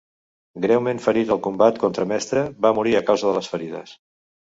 Greument ferit al combat contra Mestre, va morir a causa de les ferides.